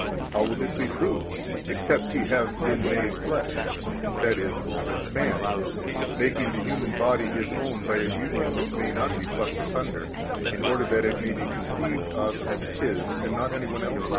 A. How will this be true, except He have BEEN MADE flesh, |251 i. e. man, making the human body His own by a union which may not be plucked asunder, in order that it may be conceived of as His and not anyone's else?